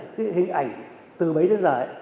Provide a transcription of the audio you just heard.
cái hình ảnh từ bấy đến giờ